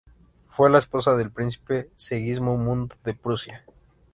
Fue la esposa del príncipe Segismundo de Prusia.